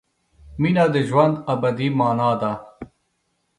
مینه د ژوند ابدي مانا ده.